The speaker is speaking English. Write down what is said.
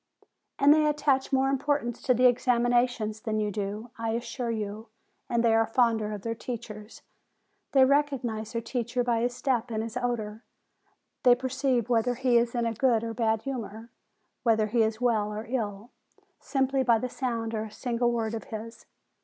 "And they attach more importance to the examin ations than you do, I assure you, and they are fonder of their teachers. They recognize their teacher by his step and his odor; they perceive whether he is in a good or bad humor, whether he is well or ill, simply by the sound of a single word of his.